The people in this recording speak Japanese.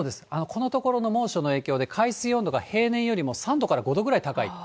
このところの猛暑の影響で、海水温度が平年よりも３度から５度ぐらい高い。